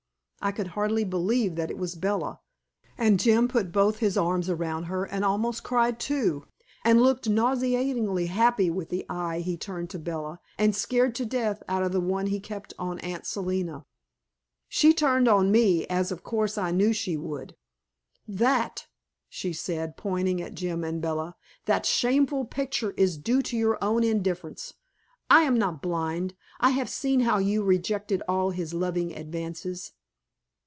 I could hardly believe that it was Bella. And Jim put both his arms around her and almost cried, too, and looked nauseatingly happy with the eye he turned to Bella, and scared to death out of the one he kept on Aunt Selina. She turned on me, as of course I knew she would. "That," she said, pointing at Jim and Bella, "that shameful picture is due to your own indifference. I am not blind; I have seen how you rejected all his loving advances."